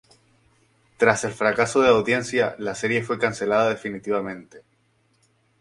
Tras el fracaso de audiencia, la serie fue cancelada definitivamente.